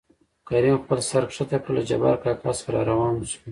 کريم خپل سر ښکته کړ له جبار کاکا څخه راوان شو.